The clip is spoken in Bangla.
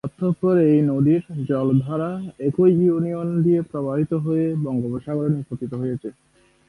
অতঃপর এই নদীর জলধারা একই ইউনিয়ন দিয়ে প্রবাহিত হয়ে বঙ্গোপসাগরে নিপতিত হয়েছে।